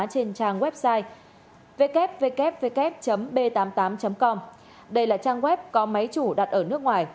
trên trang website www b tám mươi tám com đây là trang web có máy chủ đặt ở nước ngoài